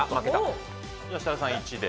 設楽さんが１で。